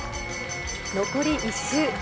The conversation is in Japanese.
残り１周。